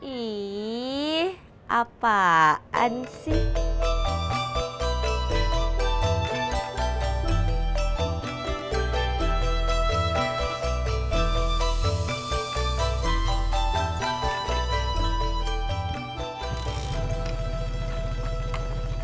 ih apaan sih